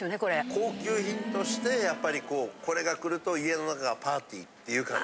高級品としてやっぱりこれが来ると家の中がパーティーっていう感じ。